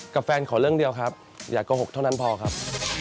กับแฟนขอเรื่องเดียวครับอย่าโกหกเท่านั้นพอครับ